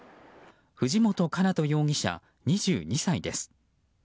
藤本叶人容疑者、２２歳です。